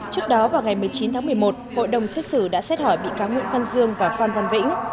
trước đó vào ngày một mươi chín tháng một mươi một hội đồng xét xử đã xét hỏi bị cáo nguyễn văn dương và phan văn vĩnh